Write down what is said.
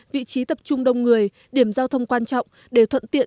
vị trí tập trung đông người điểm giao thông quan trọng để thuận tiện